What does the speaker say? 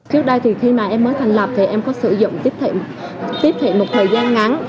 trước đây khi em mới thành lập thì em có sử dụng tiếp thị một thời gian ngắn